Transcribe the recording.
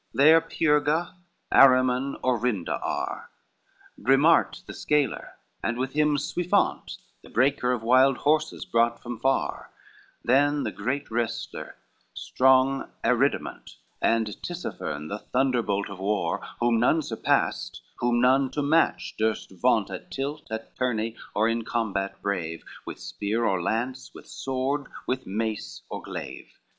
XXXI There Pirga, Arimon, Orindo are, Brimarte the scaler, and with him Suifant The breaker of wild horses brought from far; Then the great wresteler strong Aridamant, And Tisapherne, the thunderbolt of war, Whom none surpassed, whom none to match durst vaunt At tilt, at tourney, or in combat brave, With spear or lance, with sword, with mace or glaive.